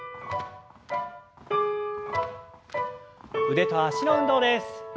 腕と脚の運動です。